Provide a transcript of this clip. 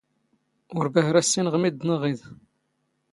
ⵓⵔ ⴱⴰⵀⵔⴰ ⵙⵙⵉⵏⵖ ⵎⵉⴷⴷⵏ ⵖⵉⴷ.